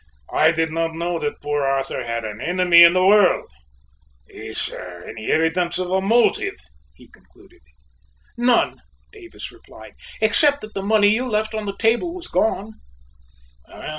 I did not know that poor Arthur had an enemy in the world. Is there any evidence of a motive?" he concluded. "None," Davis replied, "except that the money you left on the table was gone."